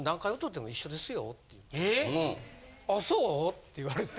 「あそう？」って言われて。